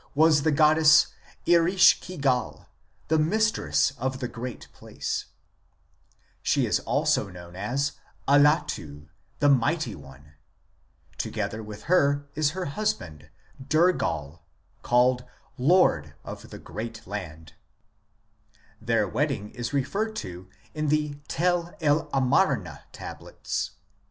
80 SHEOL, THE PLACE OF THE DEPARTED 81 the goddess Erishkigal, " the mistress of the great place "; she is also known as Allatu, " the mighty one "; together with her is her husband, Dergal, called " Lord of the great land "; their wedding is referred to on the Tel el Amarna tablets.